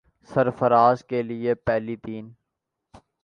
سرفراز کے لیے پہلی تین